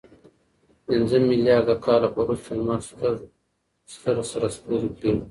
پنځه میلیارد کاله وروسته لمر ستر سره ستوری کېږي.